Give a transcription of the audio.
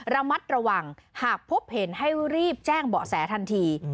ระมัดระวังหากพบเห็นให้รีบแจ้งเบาะแสทันที